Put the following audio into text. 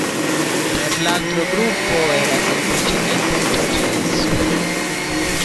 Per l'altro gruppo era semplicemente un processo.